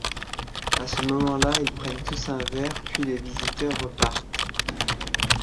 À ce moment-là, ils prennent tous un verre, puis les visiteurs repartent.